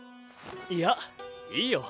いやいいよ。